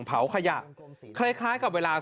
เผาขยะคล้ายกับเวลา